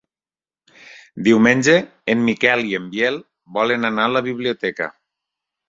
Diumenge en Miquel i en Biel volen anar a la biblioteca.